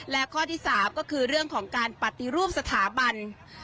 และข้อที่๓ก็คือเรื่องของการปฏิรูปสถาบัน